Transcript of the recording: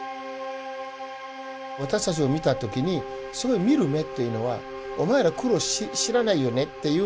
私たちを見た時にすごい見る目っていうのはお前ら苦労知らないよねっていうちょっと顔だったんですよね。